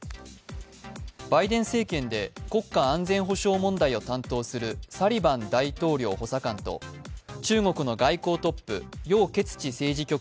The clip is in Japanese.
バイデン政権で国家安全保障問題を担当するサリバン大統領補佐官と中国の外交トップ、楊潔チ政治